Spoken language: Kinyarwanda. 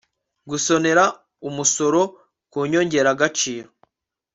gusonera umusoro ku nyongeragaciro